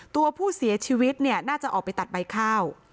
ตัวผู้เสียชีวิตเนี่ยน่าจะออกไปตัดใบข้าว